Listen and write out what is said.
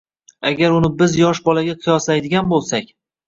Agar uni biz yosh bolaga qiyoslaydigan bo‘lsak